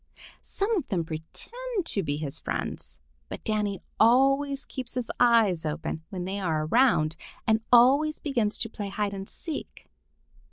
Some of them pretend to be his friends, but Danny always keeps his eyes open when they are around and always begins to play hide and seek.